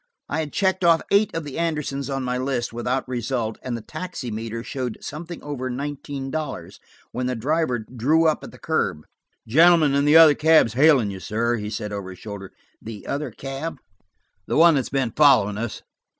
I had checked off eight of the Andersons on my list, without result, and the taximeter showed something over nineteen dollars, when the driver drew up at the curb. "Gentleman in the other cab is hailing you, sir," he said over his shoulder. "The other cab?" "The one that has been following us."